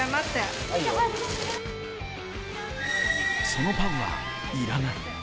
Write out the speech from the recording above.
そのパンは、要らない。